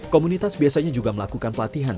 komunitas biasanya juga melakukan pelatihan